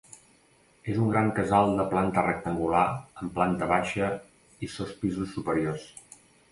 És un gran casal de planta rectangular amb planta baixa i sos pisos superiors.